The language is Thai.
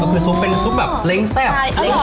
ก็คือซุปเป็นซุปแบบเล้งแซ่บ